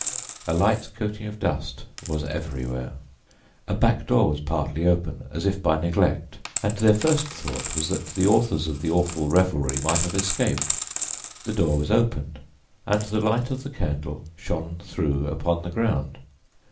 A light coating of dust was everywhere. A back door was partly open, as if by neglect, and their first thought was that the authors of the awful revelry might have escaped. The door was opened, and the light of the candle shone through upon the ground.